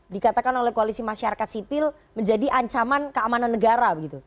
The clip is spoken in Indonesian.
dikatakan oleh koalisi masyarakat sipil menjadi ancaman keamanan negara